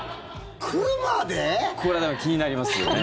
これ、気になりますよね。